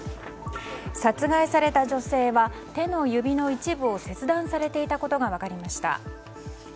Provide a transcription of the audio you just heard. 殺害された女性は手の指の一部を切断されていたことが分かりました。